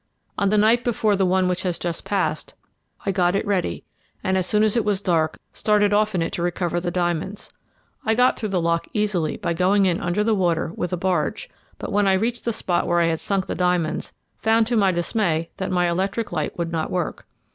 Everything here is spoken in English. On the night before the one which has just passed, I got it ready, and, as soon as it was dark, started off in it to recover the diamonds. I got through the lock easily by going in under the water with a barge, but when I reached the spot where I had sunk the diamonds, found to my dismay that my electric light would not work.